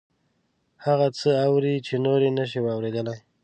هغه څه اوري چې نور یې نشي اوریدلی